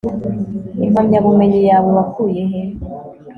impamyabumenyi yawe wakuye he